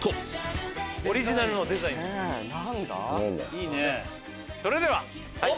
いいね！